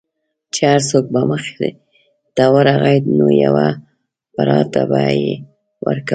چې هر څوک به مخې ته ورغی نو یوه پراټه به یې ورکوله.